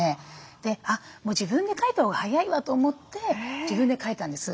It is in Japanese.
で自分で描いたほうが早いわと思って自分で描いたんです。